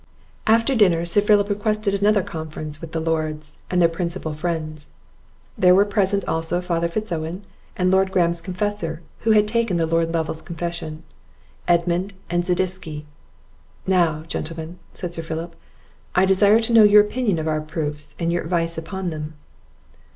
After dinner, Sir Philip requested another conference with the Lords, and their principal friends. There were present also Father Oswald, and Lord Graham's confessor, who had taken the Lord Lovel's confession, Edmund, and Zadisky. "Now, gentlemen," said Sir Philip, "I desire to know your opinion of our proofs, and your advice upon them."